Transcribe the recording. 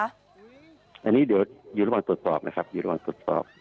อันนี้เดี๋ยวอยู่ระหว่างตรวจสอบนะครับอยู่ระหว่างตรวจสอบ